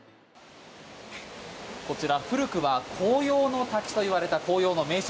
こちら古くは紅葉の滝といわれた紅葉の名所